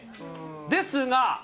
ですが！